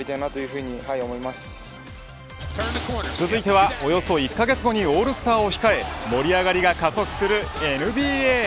続いてはおよそ１カ月後にオールスターを控え盛り上がりが加速するＮＢＡ。